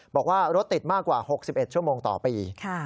บอกว่ารถติดมากกว่า๖๑ชั่วโมงต่อปี